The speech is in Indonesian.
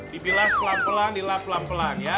dibilas pelan pelan dilah pelan pelan ya